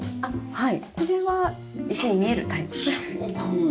はい。